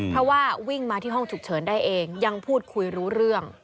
เพราะว่าวิ่งมาที่ห้องฉุกเฉินได้เองยังพูดคุยรู้เรื่อง